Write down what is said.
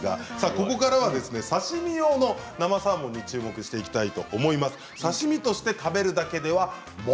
ここからは刺身用の生サーモンに注目していきたいと思います。